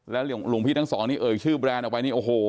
และหลวงพี่ทั้งสองเนี้ยเฉื่อแบบโอ้โห